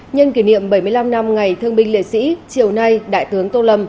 nhân kỷ niệm bảy mươi năm năm ngày thương binh liệt sĩ chiều nay đại tướng tô lâm